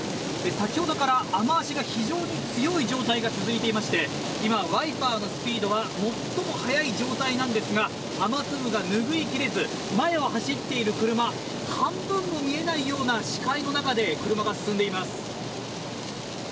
先ほどから雨脚が非常に強い状態が続いていまして今、ワイパーのスピードは最も速い状態なんですが雨粒がぬぐいきれず前を走っている車半分も見えないような視界の中で車が進んでいます。